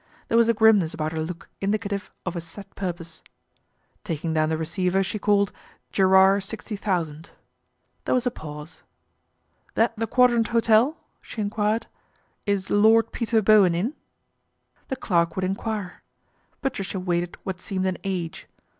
There was a rimness about her look indicative of a set purpose. Baking down the receiver she called " Gerrard oooo." There was a pause. " That the Quadrant Hotel ?" she enquired. ' Is Lord Peter Bowen in ?" The clerk would enquire. Patricia waited what seemed an age.